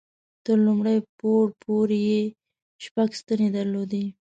تر لومړي پوړ پورې یې شپږ ستنې درلودې.